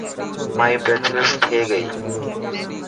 مائي بيچلرز ٿي گئي.